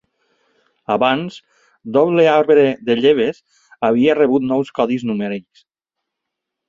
Abans, doble arbre de lleves havia rebut nous codis numèrics.